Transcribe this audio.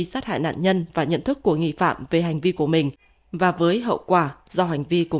sát hại nạn nhân và nhận thức của nghi phạm về hành vi của mình và với hậu quả do hành vi của